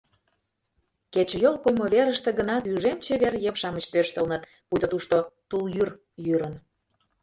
Кечыйол коймо верыште гына тӱжем чевер йып-шамыч тӧрштылыныт, пуйто тушто тул йӱр йӱрын.